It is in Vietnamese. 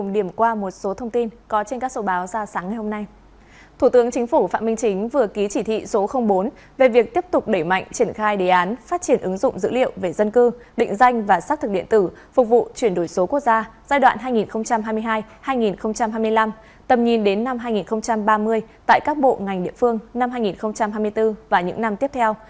điều này sẽ diễn đến năm hai nghìn ba mươi tại các bộ ngành địa phương năm hai nghìn hai mươi bốn và những năm tiếp theo